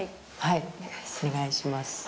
はいお願いします。